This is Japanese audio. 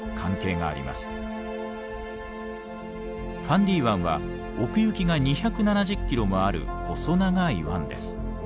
ファンディ湾は奥行きが２７０キロもある細長い湾です。